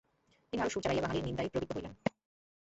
তিনি আরো সুর চড়াইয়া বাঙালির নিন্দায় প্রবৃত্ত হইলেন।